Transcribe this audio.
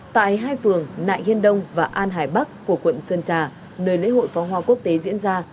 tại hai phường nại hiên đông và an hải bắc của quận sơn trà nơi lễ hội pháo hoa quốc tế diễn ra